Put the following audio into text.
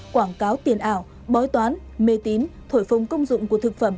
quảng cáo tiền ảo bói toán mê tín thổi phồng công dụng của thực phẩm